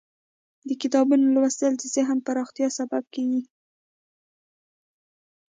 د کتابونو لوستل د ذهن پراختیا سبب کیږي.